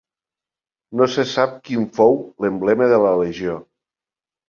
No se sap quin fou l'emblema de la legió.